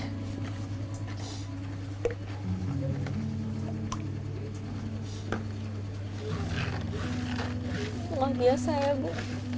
wah biasa ya bu